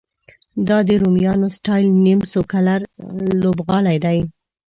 دا د رومیانو سټایل نیم سرکلر لوبغالی دی.